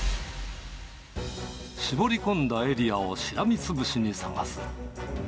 絞り込んだエリアをしらみつぶしに捜す。